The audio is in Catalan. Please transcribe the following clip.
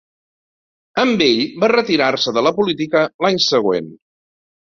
En Bell va retirar-se de la política l'any següent.